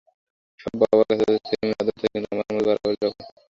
সব বাবার কাছেই তাদের ছেলেমেয়ের আদর থাকে, কিন্তু আমার মধ্যে বাড়াবাড়ি রকমের ছিল।